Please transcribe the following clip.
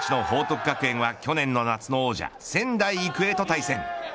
昨日サヨナラ勝ちの報徳学園は去年の夏の王者仙台育英と対戦。